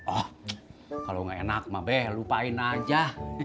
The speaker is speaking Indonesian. oh kalo gak enak mah be lupain aja